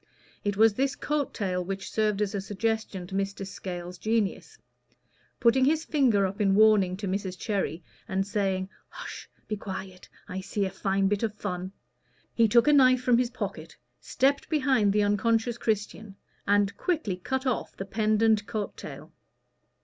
It was this coat tail which served as a suggestion to Mr. Scales's genius. Putting his finger up in warning to Mrs. Cherry, and saying, "Hush be quiet I see a fine bit of fun" he took a knife from his pocket, stepped behind the unconscious Christian, and quickly cut off the pendent coat tail.